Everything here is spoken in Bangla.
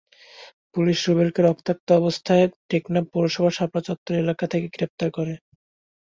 পুলিশ রুবেলকে রক্তাক্ত অবস্থায় টেকনাফ পৌরসভার শাপলা চত্বর এলাকা থেকে গ্রেপ্তার করে।